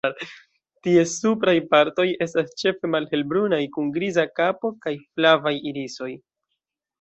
Ties supraj partoj estas ĉefe malhelbrunaj, kun griza kapo kaj flavaj irisoj.